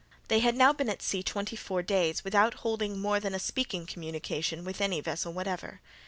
They had now been at sea twenty four days, without holding more than a speaking communication with any vessel whatever.